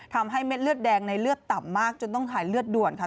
เม็ดเลือดแดงในเลือดต่ำมากจนต้องหายเลือดด่วนค่ะ